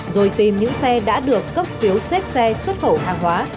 rồi tìm những xe đã được cấp phiếu xếp xe xuất khẩu hàng hóa